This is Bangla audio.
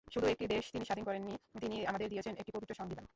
শুধু একটি দেশ তিনি স্বাধীন করেননি, তিনি আমাদের দিয়েছেন একটি পবিত্র সংবিধান।